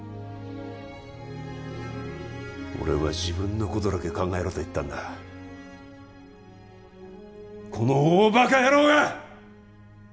俺は自分のことだけ考えろと言ったんだこの大バカ野郎が！